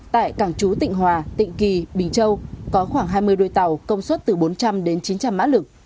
tại cảng chú tịnh hòa tịnh kỳ bình châu có khoảng hai mươi đôi tàu công suất từ bốn trăm linh đến chín trăm linh mã lực